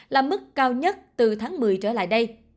là mức cao nhất từ tháng một mươi trở lại đây